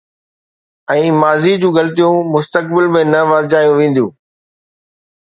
۽ ماضي جون غلطيون مستقبل ۾ نه ورجايون وينديون.